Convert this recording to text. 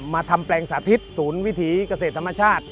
ทำแปลงสาธิตศูนย์วิถีเกษตรธรรมชาติ